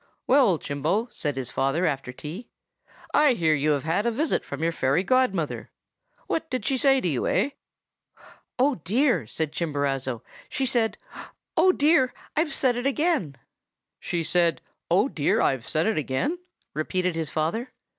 "'Well, Chimbo,' said his father after tea, 'I hear you have had a visit from your fairy godmother. What did she say to you, eh?' "'Oh, dear!' said Chimborazo, 'she said—oh, dear! I've said it again!' "'She said, "Oh, dear! I've said it again!"' repeated his father.